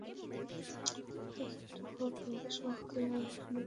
যতই চেষ্টা করুক তারা সরকারের সাঁড়াশি বেষ্টনী থেকে বের হতে পারবে না।